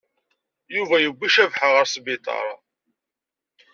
Yuba yewwi Cabḥa ɣer sbiṭaṛ.